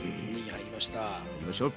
入りましたっ。